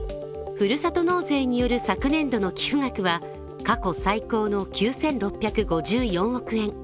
ふるさと納税による昨年度の寄付額は過去最高の９６５４億円。